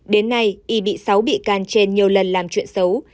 đến nay y bị sáu bị can trên nhiều lần làm chuyện xấu